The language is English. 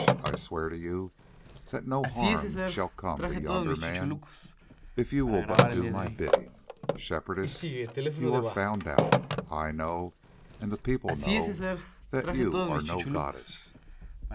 I swear to you that no harm shall come to yonder man if you will but do my bidding. Shepherdess, you are found out; I know, and the people know, that you are no goddess.